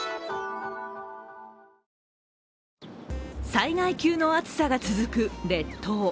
災害級の暑さが続く列島。